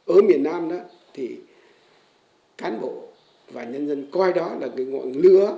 ở miền nam cán bộ và nhân dân coi đó là một ngọn lửa